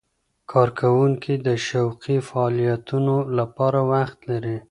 کارکوونکي د شوقي فعالیتونو لپاره وخت لري.